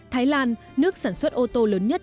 thái lan nước sản xuất ô tô lớn nhất